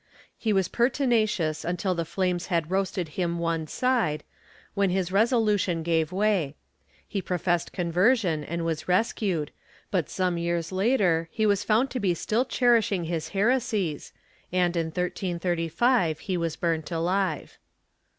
He was perti nacious until the flames had roasted him one side, when his reso lution gave way; he professed conversion and was rescued, but some years later he was found to be still cherishing his heresies and, in 1335, he was burnt alive.'